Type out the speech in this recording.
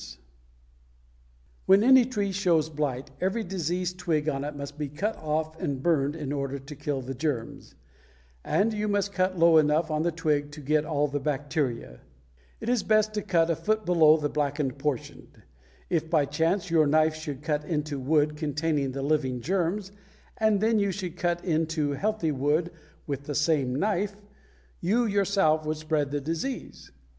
This one row lived because it could resist the cotton wilt] When any tree shows blight, every diseased twig on it must be cut off and burned in order to kill the germs, and you must cut low enough on the twig to get all the bacteria. It is best to cut a foot below the blackened portion. If by chance your knife should cut into wood containing the living germs, and then you should cut into healthy wood with the same knife, you yourself would spread the disease.